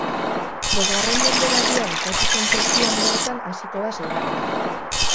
Bosgarren denboraldia bukatu zen tokian bertan hasiko da seigarrena.